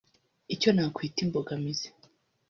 “Icyo nakwita imbogamizi